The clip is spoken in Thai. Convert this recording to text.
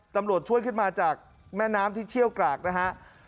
ตำรวจช่วยขึ้นมาจากแม่น้ำที่เชี่ยวกรากนะฮะ